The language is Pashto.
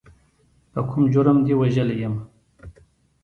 په کوم جرم دې وژلی یم.